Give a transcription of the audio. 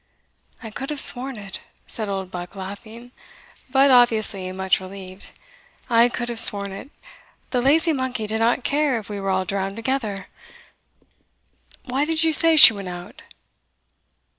"I could have sworn it," said Oldbuck laughing, but obviously much relieved "I could have sworn it; the lazy monkey did not care if we were all drowned together. Why did you say she went out?"